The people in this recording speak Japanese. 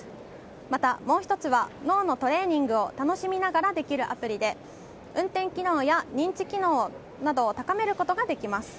また、もう１つは脳のトレーニングを楽しみながらできるアプリで運転技能や認知機能などを高めることができます。